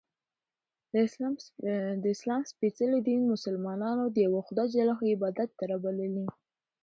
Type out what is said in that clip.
د اسلام څپېڅلي دین ملسلمانان د یوه خدایﷻ عبادت ته رابللي